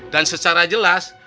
dan secara jelas